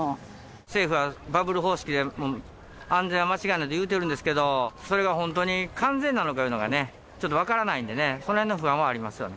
政府はバブル方式で安全は間違いないと言うてるんですけど、それが本当に完全なのかいうのがね、ちょっと分からないんでね、そのへんの不安はありますよね。